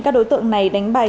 các đối tượng này đánh bài